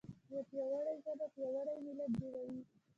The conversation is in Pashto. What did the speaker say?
یوه پیاوړې ژبه پیاوړی ملت جوړوي.